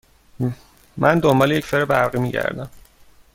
من دنبال یک فر برقی می گردم.